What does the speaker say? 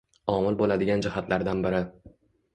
omil bo‘ladigan jihatlardan biri